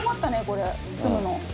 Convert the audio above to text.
これ包むの。